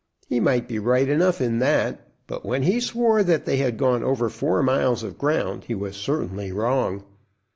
He might be right enough in that, but when he swore that they had gone over four miles of ground, he was certainly wrong.